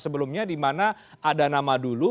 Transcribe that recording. sebelumnya dimana ada nama dulu